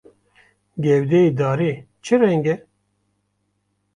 Gewdeyê darê çi reng e?